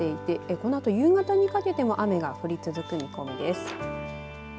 このあと、夕方にかけても雨が降り続く見込みです。